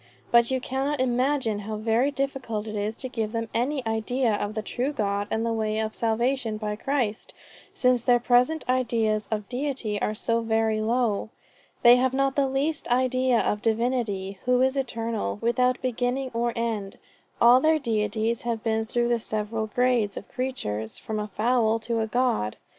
"But you cannot imagine how very difficult it is to give them any idea of the true God and the way of salvation by Christ, since their present ideas of Deity are so very low." "They have not the least idea of a Divinity who is eternal, without beginning or end. All their deities have been through the several grades of creatures, from a fowl to a God...."